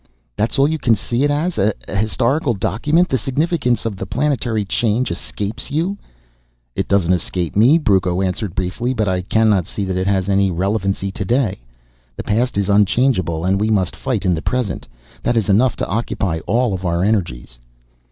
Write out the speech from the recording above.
"That's all you can see it as an historical document? The significance of the planetary change escapes you?" "It doesn't escape me," Brucco answered briefly, "but I cannot see that it has any relevancy today. The past is unchangeable and we must fight in the present. That is enough to occupy all our energies."